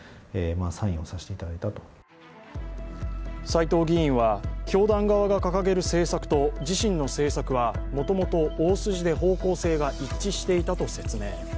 斎藤議員は教団側が掲げる政策と自身の政策はもともと大筋で方向性が一致していたと説明。